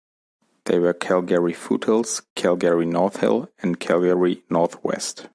They were Calgary-Foothills, Calgary-North Hill and Calgary-North West.